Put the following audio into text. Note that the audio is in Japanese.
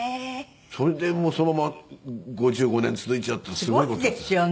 それでそのまま５５年続いちゃうってすごい事ですね。